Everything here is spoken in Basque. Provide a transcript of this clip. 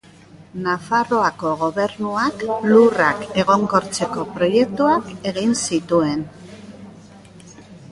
Nafarroako Gobernuak lurrak egonkortzeko proiektuak egin zituen.